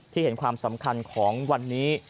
เห็นความสำคัญของวันนี้